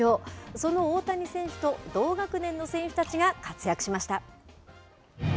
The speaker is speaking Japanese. その大谷選手と同学年の選手たちが活躍しました。